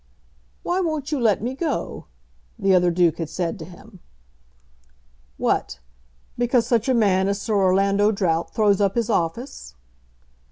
"Why won't you let me go?" the other Duke had said to him. "What; because such a man as Sir Orlando Drought throws up his office?"